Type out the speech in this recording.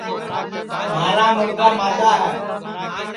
مھارا مُرگا مادؔا ہے